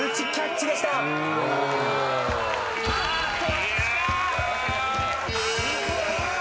・そっちか！